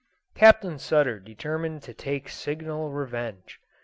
Captain Sutter determined to take signal revenge.